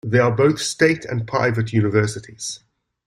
There are both state and private universities.